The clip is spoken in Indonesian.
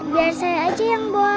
biar saya aja yang bawa